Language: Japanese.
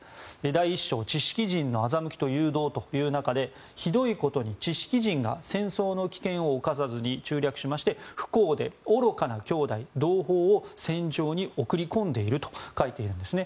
第１章、知識人の欺きと誘導の中でひどいことに知識人が戦争の危険を冒さずに中略しまして不幸で愚かな兄弟、同胞を戦場に送り込んでいると書いています。